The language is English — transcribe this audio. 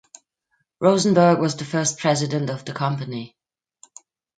Rosenberg was the first president of the company.